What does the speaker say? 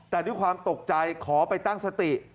แต่ด้วยความตกใจขอไปตั้งสติ